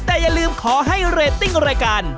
แต่อย่าลืมขอให้เรตติ้งรายการ